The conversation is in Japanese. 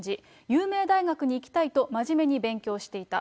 有名大学に行きたいと、真面目に勉強していた。